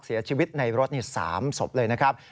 เสียชีวิตในรถสามสตบเลยนะครับ